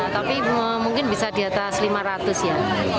tapi mungkin bisa di atas lima ratus ya